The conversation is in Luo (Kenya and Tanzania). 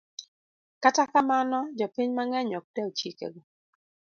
Kata kamano, jopiny mang'eny ok dew chikego.